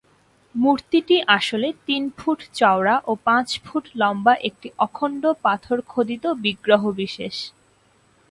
মূর্তিটি আসলে তিন ফুট চওড়া ও পাঁচ ফুট লম্বা একটি অখণ্ড পাথর খোদিত বিগ্রহ বিশেষ।